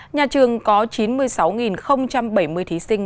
nhà trường có chín mươi sáu học sinh